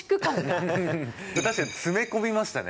確かに詰め込みましたね。